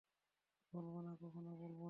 বলবো না, কখনও বলবো না।